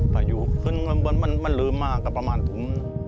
พายุขึ้นมันเริ่มมากกว่าประมาณตุ๋ม